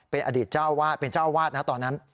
เป็นอดีตเจ้าวาดเป็นเจ้าอาวาสนะตอนนั้น